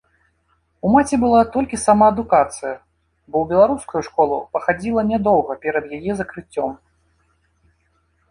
У маці была толькі самаадукацыя, бо ў беларускую школу пахадзіла нядоўга перад яе закрыццём.